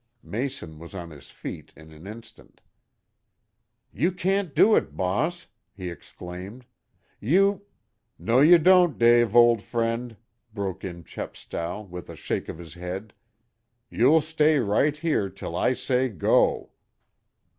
Mason was on his feet in an instant. "You can't do it, boss!" he exclaimed. "You " "No you don't, Dave, old friend," broke in Chepstow, with a shake of his head. "You'll stay right here till I say 'go.'"